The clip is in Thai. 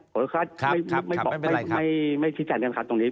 ครับไม่เป็นไรครับไม่พิจารณ์กันครับตรงนี้